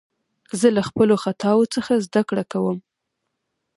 زه له خپلو خطاوو څخه زدکړه کوم.